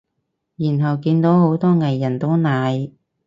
然後見到好多藝人都奶